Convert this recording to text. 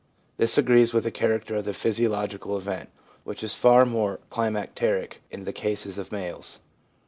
This agrees with the character of the physiological event, which is far more climacteric in the case of males.